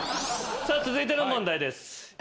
さあ続いての問題です。